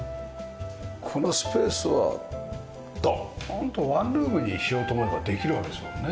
このスペースはドーンとワンルームにしようと思えばできるわけですもんね。